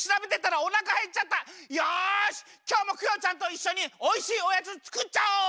きょうもクヨちゃんといっしょにおいしいおやつつくっちゃおう！